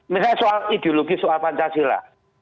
misalnya soal ideologi soal pancasila